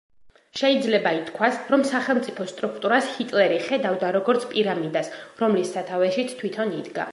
შეიძლება ითქვას, რომ სახელმწიფო სტრუქტურას ჰიტლერი ხედავდა როგორც პირამიდას, რომლის სათავეშიც თვითონ იდგა.